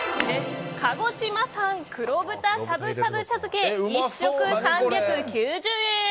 鹿児島県産黒豚しゃぶしゃぶ茶漬１食、３９０円。